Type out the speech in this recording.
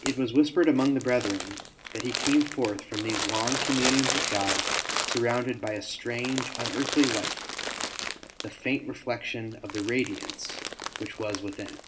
It was whispered among the brethren that he came forth from these long communings with God surrounded by a strange, unearthly light, the faint reflec tion of the radiance which was within.